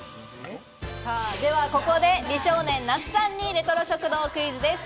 ではここで美少年・那須さんにレトロ食堂クイズです。